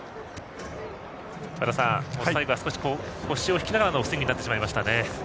和田さん、最後は少し腰を引きながらのスイングになってしまいましたね。